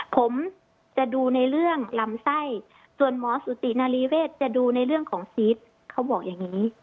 ผมจะดูในเรื่องลำไส้ส่วนหมอสุตินารีเวศจะดูในเรื่องของซีสเขาบอกอย่างนี้